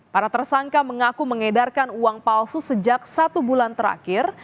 para tersangka mengaku mengedarkan uang palsu sejak satu bulan terakhir